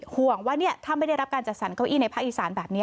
ห่วงว่าถ้าไม่ได้รับการจัดสรรเก้าอี้ในภาคอีสานแบบนี้